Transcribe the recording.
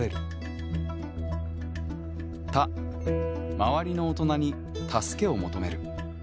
周りの大人にたすけを求める。